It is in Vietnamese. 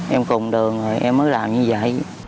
em cùng đường rồi em mới làm như vậy